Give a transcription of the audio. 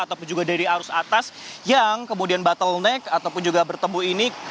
ataupun juga dari arus atas yang kemudian bottleneck ataupun juga bertemu ini